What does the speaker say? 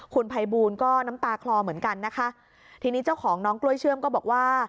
คุณภัยบูลก็น้ำตาคลอเหมือนกันนะคะทีนี้เจ้าของน้องกล้วยเชื่อมก็บอกว่า